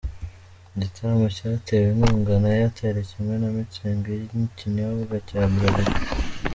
Igitaramo cyatewe inkunga na Airtel kimwe na Mutzig y’ikinyobwa cya Bralirwa.